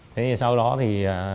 thế sau đó thì